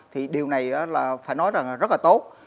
thì điều này là phải nói rằng rất là tốt